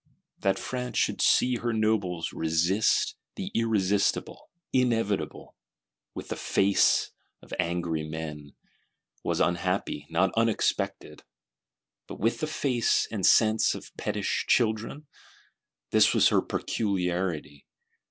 That France should see her Nobles resist the Irresistible, Inevitable, with the face of angry men, was unhappy, not unexpected: but with the face and sense of pettish children? This was her peculiarity.